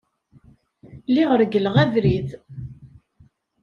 Lliɣ reggleɣ abrid.